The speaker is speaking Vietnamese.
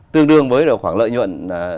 tương đương với khoảng lợi nhuận